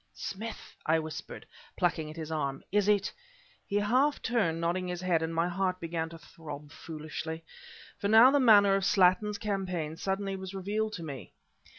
"Smith!" I whispered, plucking at his arm "is it " He half turned, nodding his head; and my heart began to throb foolishly. For now the manner of Slattin's campaign suddenly was revealed to me.